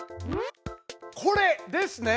これですね！